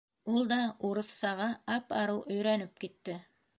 Ул да урыҫсаға ап-арыу өйрәнеп китте.